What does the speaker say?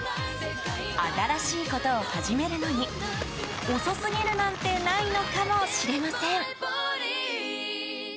新しいことを始めるのに遅すぎるなんてないのかもしれません。